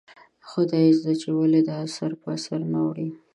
خدایزده چې ولې دا اثر په اثر نه اوړي ؟